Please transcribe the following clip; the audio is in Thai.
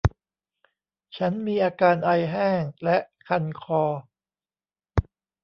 ฉันมีอาการไอแห้ง และ คันคอ